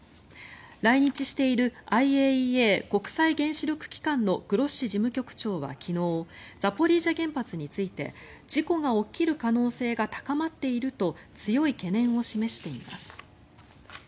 来日しているＩＡＥＡ・国際原子力機関のグロッシ事務局長は、昨日ザポリージャ原発について事故が起きる可能性が高まっていると強い懸念を示しています。